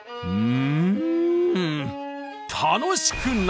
うん。